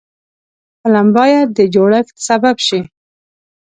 فلم باید د جوړښت سبب شي